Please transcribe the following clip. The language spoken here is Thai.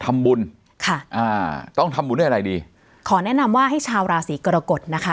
ทำบุญค่ะอ่าต้องทำบุญด้วยอะไรดีขอแนะนำว่าให้ชาวราศีกรกฎนะคะ